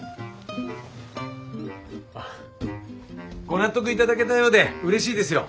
ご納得頂けたようでうれしいですよ。